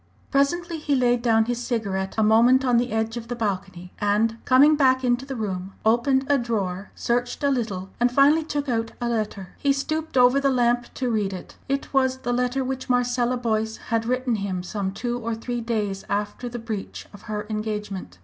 Presently he laid down his cigarette a moment on the edge of the balcony, and, coming back into the room, opened a drawer, searched a little, and finally took out a letter. He stooped over the lamp to read it. It was the letter which Marcella Boyce had written him some two or three days after the breach of her engagement.